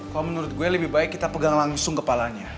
kalau menurut gue lebih baik kita pegang langsung kepalanya